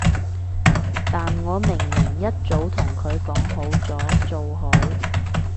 但我明明一早同佢講好咗，做好